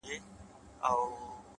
عاجزي د لوی انسان نښه ده،